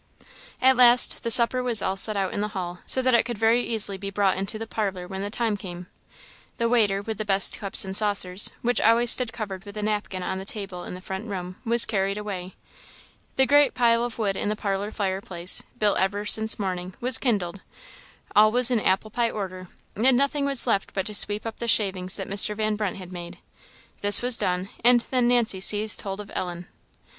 At last the supper was all set out in the hall, so that it could very easily be brought into the parlour when the time came; the waiter, with the best cups and saucers, which always stood covered with a napkin on the table in the front room, was carried away; the great pile of wood in the parlour fire place, built ever since morning, was kindled; all was in apple pie order, and nothing was left but to sweep up the shavings that Mr. Van Brunt had made. This was done; and then Nancy seized hold of Ellen.